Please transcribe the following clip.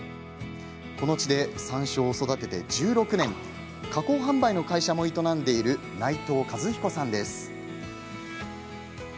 この地で山椒を育てて１６年加工販売の会社も営んでいる内藤一彦さんです。